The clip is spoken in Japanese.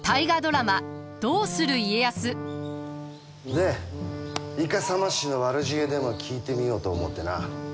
でイカサマ師の悪知恵でも聞いてみようと思うてな。